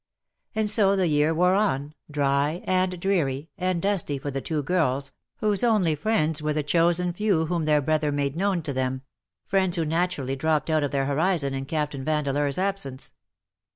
And so the year wore on, dry^ and dreary^ and dusty for the two girls_, whose only friends were the chosen few whom their brother made known to them — friends who naturally dropped out of their horizon in Captain Vandeleur's absence.